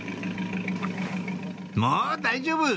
もう大丈夫！